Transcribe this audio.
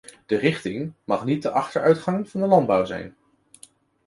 De richting mag niet de achteruitgang van de landbouw zijn.